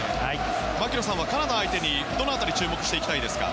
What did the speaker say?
槙野さんはカナダ相手にどの辺りを注目したいですか。